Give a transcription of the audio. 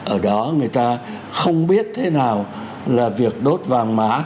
ở đó người ta không biết thế nào là việc đốt vàng mã